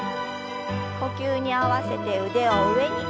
呼吸に合わせて腕を上に。